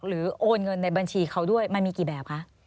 โอนเงินในบัญชีเขาด้วยมันมีกี่แบบคะ